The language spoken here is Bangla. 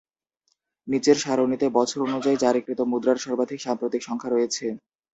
নিচের সারণিতে বছর অনুযায়ী জারিকৃত মুদ্রার সর্বাধিক সাম্প্রতিক সংখ্যা রয়েছে।